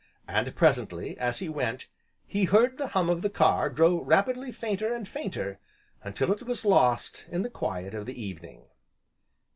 And, presently, as he went, he heard the hum of the car grow rapidly fainter and fainter until it was lost in the quiet of the evening.